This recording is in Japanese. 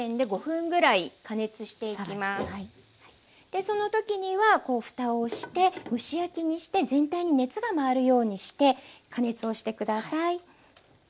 でその時にはふたをして蒸し焼きにして全体に熱が回るようにして加熱をして下さい。